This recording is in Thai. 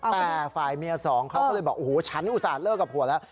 แต่ฝ่ายเมียสองเขาก็เลยบอกโอ้โหฉันอุตส่าห์เลิกกับผัวแล้ว